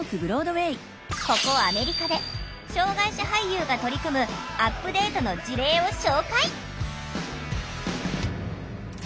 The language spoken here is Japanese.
ここアメリカで障害者俳優が取り組むアップデートの事例を紹介！